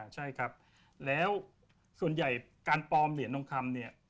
ใช่ครับแล้วส่วนใหญ่การปลอมเหรียญทองคำเนี่ย